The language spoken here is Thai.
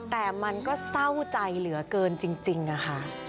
แต่มันก็เศร้าใจเหลือเกินจริงค่ะ